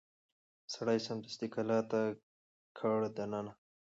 سړي سمدستي کلا ته کړ دننه